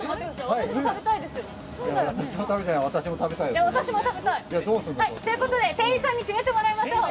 私も食べたい。ということで店員さんに決めていただきましょう。